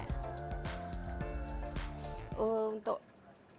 kepada para anggota kampung kue lainnya